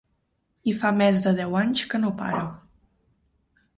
I fa més de deu anys que no para.